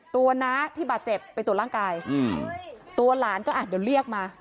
น้าที่บาดเจ็บไปตรวจร่างกายตัวหลานก็อ่ะเดี๋ยวเรียกมา